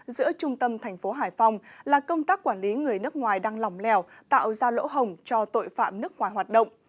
giữa trung tâm tp hcm là công tác quản lý người nước ngoài đang lỏng lèo tạo ra lỗ hồng cho tội phạm nước ngoài hoạt động